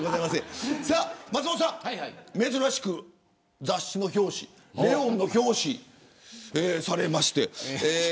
松本さん、珍しく雑誌の表紙ＬＥＯＮの表紙されまして。